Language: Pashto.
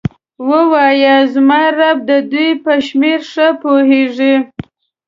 ووایه زما رب د دوی په شمیر ښه پوهیږي.